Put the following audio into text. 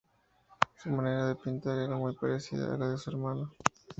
Su manera de pintar era muy parecida a la de su hermano.